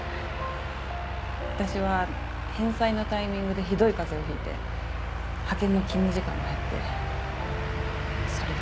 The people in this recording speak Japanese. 私は返済のタイミングでひどい風邪を引いて派遣の勤務時間も減ってもうそれだけで詰みでした。